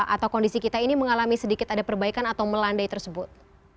atau kondisi kita ini mengalami sedikit ada perbaikan atau melandai tersebut